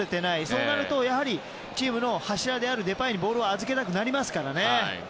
そうなると、チームの柱であるデパイにボールを預けたくなりますからね。